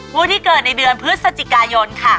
ผู้ที่เกิดในเดือนพฤศจิกายนค่ะ